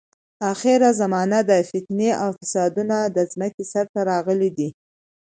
اخره زمانه ده، فتنې او فسادونه د ځمکې سر ته راغلي دي.